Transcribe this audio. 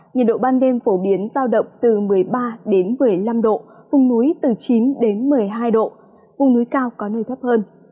nhiệt độ ban đêm phổ biến giao động từ một mươi ba đến một mươi năm độ vùng núi từ chín một mươi hai độ vùng núi cao có nơi thấp hơn